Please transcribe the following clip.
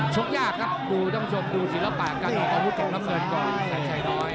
ชกยากครับต้องชมดูศิลปะการเอาอาวุธเก็บแล้วเฟิร์นก่อนใส่น้อย